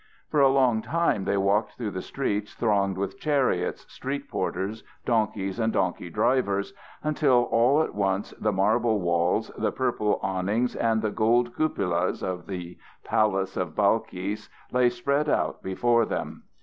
For a long time they walked through streets thronged with chariots, street porters, donkeys and donkey drivers, until all at once the marble walls, the purple awnings and the gold cupolas of the palace of Balkis, lay spread out before them.